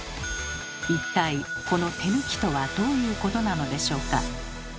一体この手抜きとはどういうことなのでしょうか。